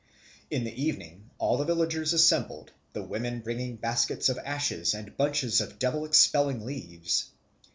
In the evening all the villagers assembled, the women bringing baskets of ashes and bunches of devil expelling leaves.